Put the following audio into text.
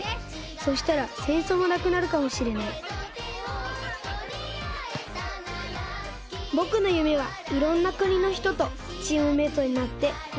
そしたらせんそうもなくなるかもしれないぼくのゆめはいろんなくにのひととチームメートになってよ